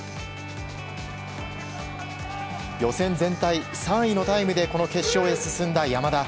予選全体３位のタイムで決勝に進んだ山田。